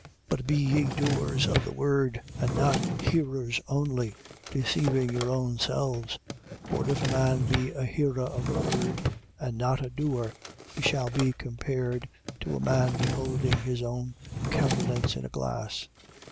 1:22. But be ye doers of the word and not hearers only, deceiving your own selves. 1:23. For if a man be a hearer of the word and not a doer, he shall be compared to a man beholding his own countenance in a glass.